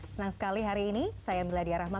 senang sekali hari ini saya miladia rahma